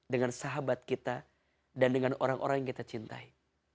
dengan sahabat kita dan dengan orang orang yang kita cintai